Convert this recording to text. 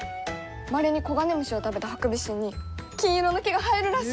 まれにコガネムシを食べたハクビシンに金色の毛が生えるらしいの！